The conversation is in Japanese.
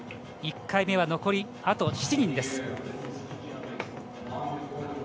１回目は残り７人。